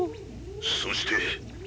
そして。